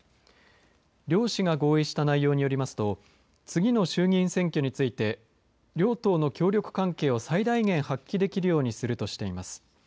両氏が合意した内容によりますと次の衆議院選挙について両党の協力関係を最大限発揮できるようにするとしています。